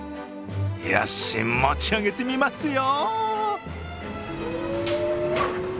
よし、持ち上げてみますよ。